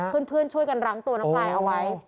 เพื่อนช่วยกันรั้งตัวน้องปลายเอาไว้